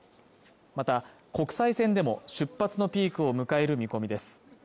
また国際線でも出発のピークを迎える見込みです